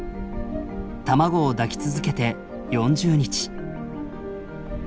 卵を抱き続けて４０日。